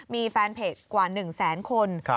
มีแฟนเพจกว่า๑แสนคน